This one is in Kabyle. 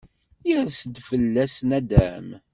Yers-d fella-s naddam.